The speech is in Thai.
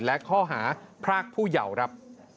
และข้อหาพรากผู้เยาว์ครับ